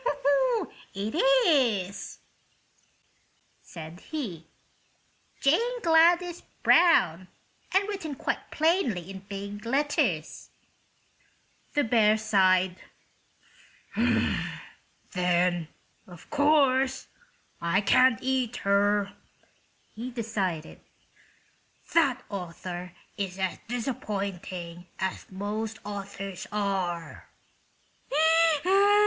"It is," said he. "'Jane Gladys Brown;' and written quite plainly in big letters." The bear sighed. "Then, of course, I can't eat her," he decided. "That author is as disappointing as most authors are."